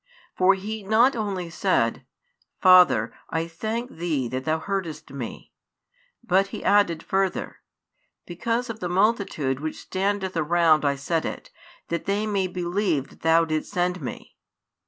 For He not only said: Father, I thank Thee that Thou heardest Me; but He added further: Because of the multitude which standeth around I said it, that they may believe that Thou didst send Me.